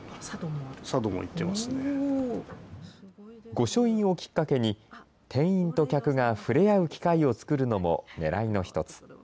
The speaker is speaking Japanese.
御書印をきっかけに、店員と客が触れ合う機会を作るのもねらいの一つ。